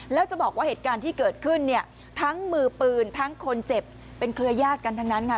แล้วจะบอกว่าเหตุการณ์ที่เกิดขึ้นเนี่ยทั้งมือปืนทั้งคนเจ็บเป็นเครือญาติกันทั้งนั้นค่ะ